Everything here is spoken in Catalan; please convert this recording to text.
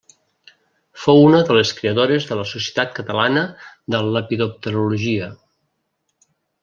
Fou una de les creadores de la Societat Catalana de Lepidopterologia.